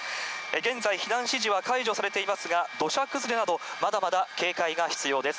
現在、避難指示は解除されていますが、土砂崩れなど、まだまだ警戒が必要です。